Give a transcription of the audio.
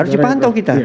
harus dipantau kita